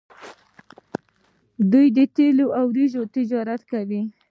دوی د تیلو او وریجو تجارت کوي.